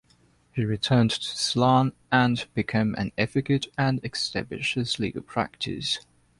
He returned to Ceylon and became an advocate and established his legal practice.